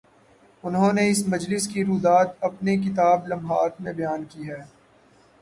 انہوں نے اس مجلس کی روداد اپنی کتاب "لمحات" میں بیان کی ہے۔